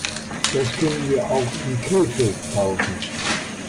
Das können wir auch in Krefeld kaufen